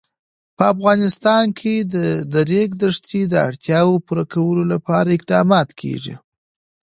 په افغانستان کې د د ریګ دښتې د اړتیاوو پوره کولو لپاره اقدامات کېږي.